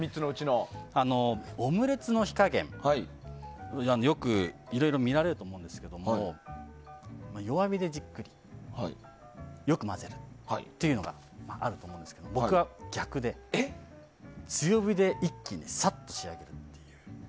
オムレツの火加減、よくいろいろ見られるんですけれども弱火でじっくりよく混ぜるというのがあると思うんですけど僕は逆で強火で一気にさっと仕上げる。